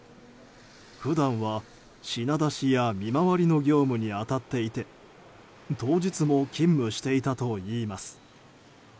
普段は品出しや見回りの業務に当たっていて当日も勤務していたといいます。